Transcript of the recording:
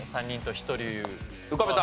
浮かべた？